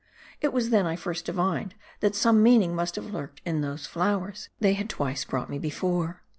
It was then, I first Divined, that some meaning must have lurked in those flowers they had twice brought me before.